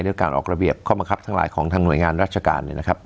หรือการออกระเบียบข้อมังคับทั้งหลายของทางหน่วยงานราชการเนี่ยนะครับ